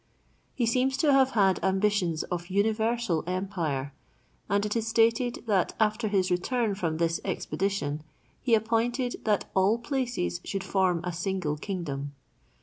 He seems to have had ambitions of universal empire, and it is stated that after his return from this expedition, "he appointed that all places should form a single kingdom."